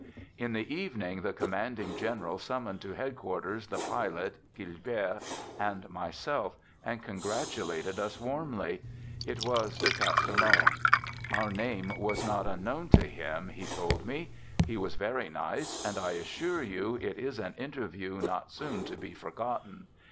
In the evening, the commanding general sum moned to headquarters the pilot (Gilbert) and my self, and congratulated us warmly ; it was de Cas telnau. Our name was not unknown to him, he told me. He was very nice, and I assure you it is an interview not soon to be forgotten.